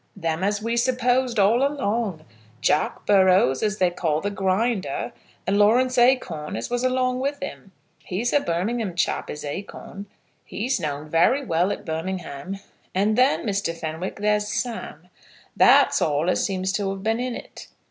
"Them as we supposed all along, Jack Burrows, as they call the Grinder, and Lawrence Acorn as was along with him. He's a Birmingham chap, is Acorn. He's know'd very well at Birmingham. And then, Mr. Fenwick, there's Sam. That's all as seems to have been in it.